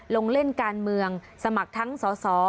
ลงเล่นการเมืองสมัครทั้งสส